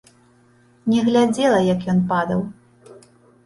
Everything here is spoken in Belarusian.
Не глядзела, як ён падаў.